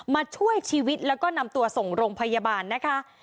มาช่วยชีวิตแล้วก็นำตัวส่งโรงพยาบาลนะคะ